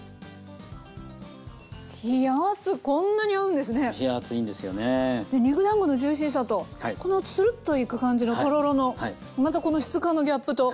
で肉だんごのジューシーさとこのつるっといく感じのとろろのまたこの質感のギャップと。